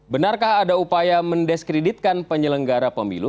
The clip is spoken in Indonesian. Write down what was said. benarkah ada upaya mendiskreditkan penyelenggara pemilu